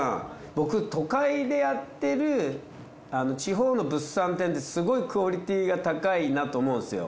僕都会でやってる地方の物産展ってすごいクオリティーが高いなと思うんですよ。